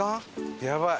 やばい。